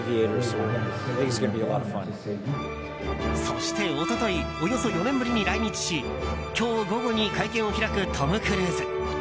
そして一昨日およそ４年ぶりに来日し今日午後に会見を開くトム・クルーズ。